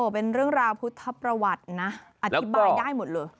เป็นเรื่องราวพุทธประวัตินะอธิบายได้หมดเลย